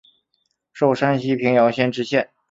授山西平遥县知县。